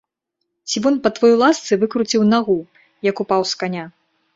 Цівун па тваёй ласцы выкруціў нагу, як упаў з каня.